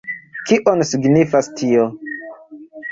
Kion signifas tio?